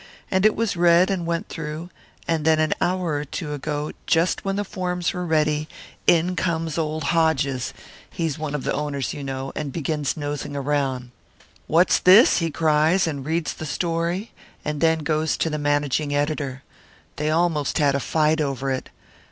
And it was read, and went through; and then an hour or two ago, just when the forms were ready, in comes old Hodges he's one of the owners, you know and begins nosing round. 'What's this?' he cries, and reads the story; and then he goes to the managing editor. They almost had a fight over it.